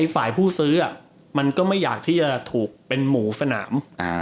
ฝ่ายผู้ซื้อมันก็ไม่อยากที่จะถูกเป็นหมูสนาม